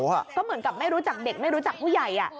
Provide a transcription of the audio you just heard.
ก็เหมือนกับไม่รู้จักเด็กไม่รู้จักผู้ใหญ่